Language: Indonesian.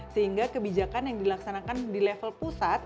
sehingga kebijakan yang dilaksanakan di level pusat